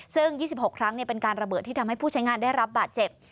ซึ่ง๒๖ครั้งเป็นการระเบิดที่ทำให้ผู้ใช้งานได้รับบาดเจ็บ